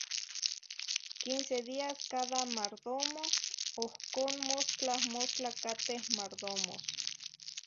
Quince días cada mardomo, ohcóh mostla mostla cateh mardomos.